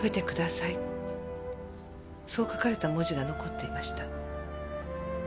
そう書かれた文字が残っていました。